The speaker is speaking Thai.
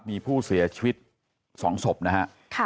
มีผู้เสียชีวิต๒ศพนะฮะ